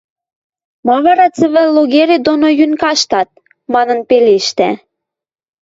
Ма вара цӹвӹ логерет доно йӱн каштат! – манын пелештӓ.